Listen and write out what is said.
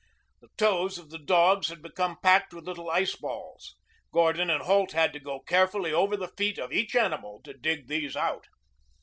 The toes of the dogs had become packed with little ice balls. Gordon and Holt had to go carefully over the feet of each animal to dig these out.